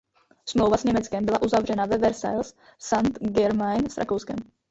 Smlouva s Německem byla uzavřena ve Versailles a v Saint–Germain s Rakouskem.